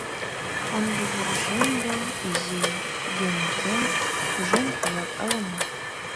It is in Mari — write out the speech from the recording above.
Ынде Верушем ден изи Генокем шужен колат ала-мо.